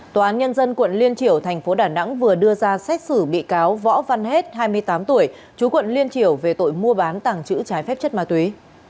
tòa án nhân dân quận liên triểu thành phố đà nẵng vừa đưa ra xét xử bị cáo võ văn hết hai mươi tám tuổi chú quận liên triểu về tội mua bán tàng trữ trái phép chất ma túy